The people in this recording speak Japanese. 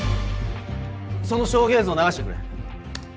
その証言映像を流してくれ。